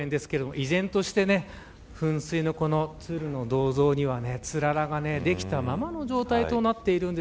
依然として噴水のこの、鶴の銅像にはつららができたままの状態となっています。